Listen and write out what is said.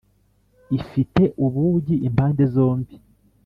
ifite ubugi impande zombi